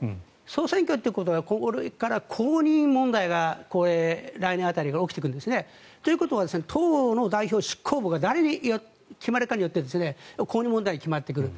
総選挙ということはこれから後任問題が来年辺りで起きてくるんですね。ということは党の代表執行部が誰に決まるかによって後任問題が決まってくる。